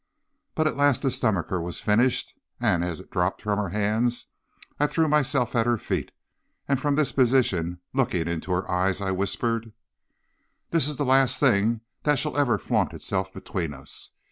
But at last the stomacher was finished, and as it dropped from her hands I threw myself at her feet, and from this position, looking into her eyes, I whispered: "'This is the last thing that shall ever flaunt itself between us.